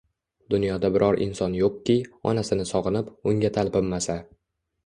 Dunyoda biror inson yo‘qki, Onasini sog‘inib, unga talpinmasa!